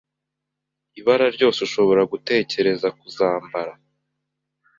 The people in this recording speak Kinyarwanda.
Ibara ryose ushobora gutekereza kuzambara